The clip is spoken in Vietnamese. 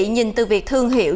nhìn từ việc thương hiệu